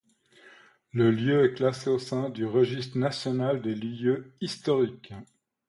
Le lieu est classé au sein du Registre national des lieux historiques.